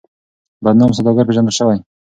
بدنام سوداگر پېژندل شوی.